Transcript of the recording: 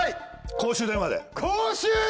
公衆電話！